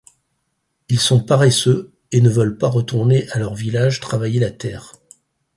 Ils sont paresseux et ne veulent pas retourner à leur village travailler la terre.